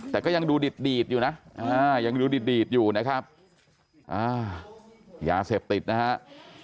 แต่ก็ยังดูดีดดีดอยู่นะอ่ายังดูดีดดีดอยู่นะครับอ่ายาเสพติดนะครับ